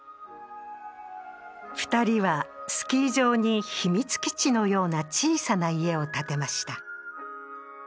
２人はスキー場に秘密基地のような小さな家を建てました。